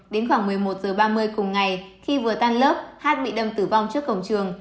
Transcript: đến khoảng một mươi một h ba mươi cùng ngày khi vừa tan lớp hát bị đâm tử vong trước cổng trường